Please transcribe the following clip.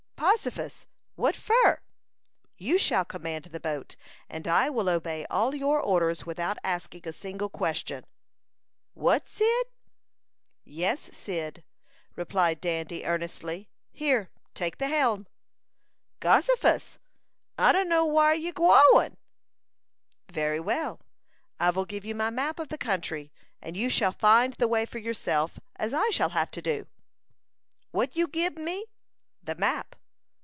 "Possifus! What fur?" "You shall command the boat, and I will obey all your orders without asking a single question." "What, Cyd?" "Yes, Cyd," replied Dandy, earnestly. "Here, take the helm!" "Gossifus! I dunno whar you're gwine." "Very well; I will give you my map of the country, and you shall find the way for yourself, as I shall have to do." "What you gib me?" "The map."